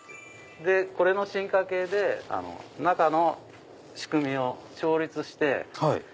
これの進化系で中の仕組みを調律して。